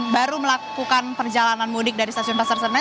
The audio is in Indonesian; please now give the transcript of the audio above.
baru melakukan perjalanan mudik dari stasiun pasar senen